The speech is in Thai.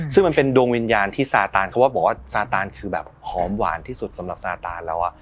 ซึ่งมันเป็นดวงวิญญาณที่ซาตานเขาบอกว่าซาตานคือแบบหอมหวานที่สุดสำหรับซาตานเรา